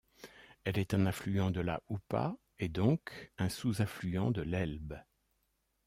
Elle est un affluent de la Úpa et donc un sous-affluent de l'Elbe.